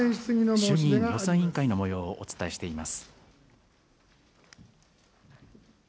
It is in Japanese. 衆議院予算委員会のもようをお伝えしています。